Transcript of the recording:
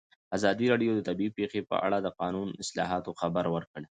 ازادي راډیو د طبیعي پېښې په اړه د قانوني اصلاحاتو خبر ورکړی.